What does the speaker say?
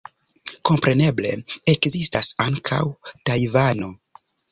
Kompreneble, ekzistas ankaŭ Tajvano.